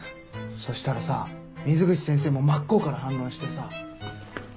そしたらさ水口先生も真っ向から反論してさ。